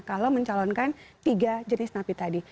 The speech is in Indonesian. kalau mencalonkan tiga jenis napi tadi